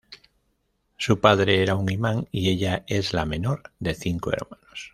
Su padre era un imán y ella es la menor de cinco hermanos.